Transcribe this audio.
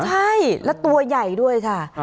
ใช่แล้วตัวใหญ่ด้วยค่ะ